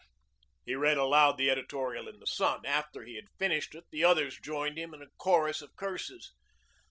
He read aloud the editorial in the "Sun." After he had finished, the others joined him in a chorus of curses.